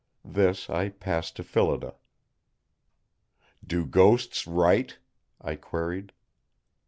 This I passed to Phillida. "Do ghosts write?" I queried.